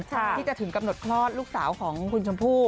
ที่จะถึงกำหนดคลอดลูกสาวของคุณชมพู่